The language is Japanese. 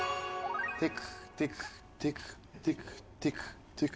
テクテクテクテクテクテク。